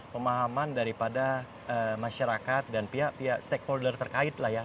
pemahaman daripada masyarakat dan pihak pihak stakeholder terkait lah ya